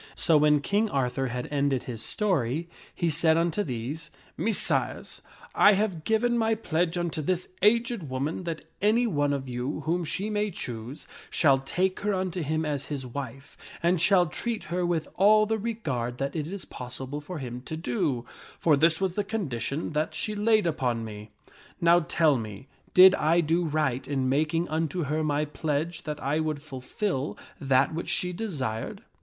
So when King Arthur had ended his story, he said unto these, " Messires, I have given my pledge unto this aged woman that any one of you whom she may choose, shall take her unto him as his wife, and shall treat her with all the regard that it is possible for him to do ; for this was the condition that she laid upon me. Now tell me, did I do right in making unto her my pledge that I would fulfil that which she desired